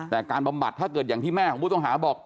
แต่การบำบัดถ้าเกิดอย่างที่แม่ของผู้ต้องหาบอก